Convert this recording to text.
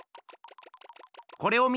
これを見て。